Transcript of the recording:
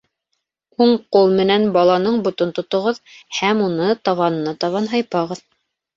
Уң ҡул менән баланың ботон тотоғоҙ һәм уны табанына табан һыйпағыҙ.